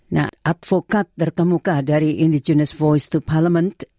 nah advokat terkemuka dari indigenous voice to parliament